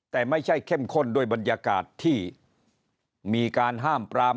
แต่ไม่ใช่เข้มข้นด้วยบรรยากาศที่มีการห้ามปราม